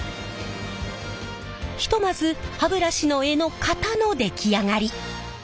ひとまず歯ブラシの柄の型の出来上がり。